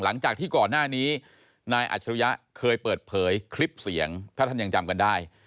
หลังจากที่ก่อนหน้านี้นายอัจฉริยะเคยเปิดเผยคลิปเสียงถ้าท่านยังจำกันได้